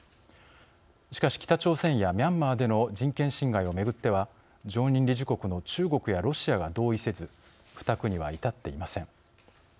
しかし、北朝鮮やミャンマーでの人権侵害をめぐっては常任理事国の中国やロシアが同意せず付託には至っていません。